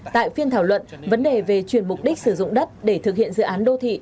tại phiên thảo luận vấn đề về chuyển mục đích sử dụng đất để thực hiện dự án đô thị